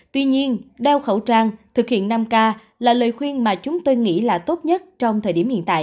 tuy nhiên đeo khẩu trang thực hiện năm k là lời khuyên mà chúng tôi nghĩ là tốt nhất trong thời điểm hiện tại